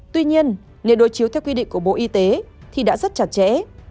tuy nhiên nếu đối chiếu theo quy định của bộ y tế thì đã rất chặt chẽ